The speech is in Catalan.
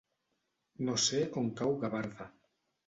No sé on cau Gavarda.